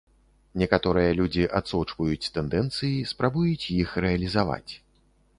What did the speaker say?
Некаторыя людзі адсочваюць тэндэнцыі спрабуюць іх рэалізаваць.